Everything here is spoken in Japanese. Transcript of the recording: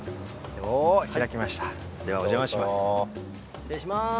失礼します。